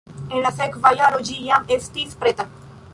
En la sekva jaro ĝi jam estis preta.